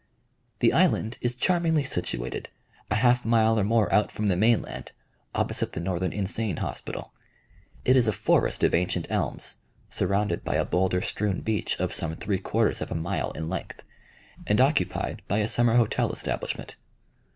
The island is charmingly situated, a half mile or more out from the main land, opposite the Northern Insane Hospital; it is a forest of ancient elms, surrounded by a bowlder strewn beach of some three quarters of a mile in length, and occupied by a summer hotel establishment.